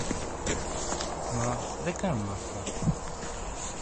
Μα, δεν κάνουν μάθημα.